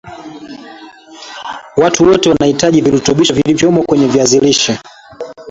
Watu wote wanahitaji virutubishi vilivyomo kwenye viazi lishe